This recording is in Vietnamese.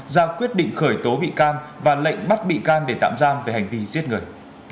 ra quyết định khởi tố bị can và lệnh bắt bị can để tạm giam về hành vi giết người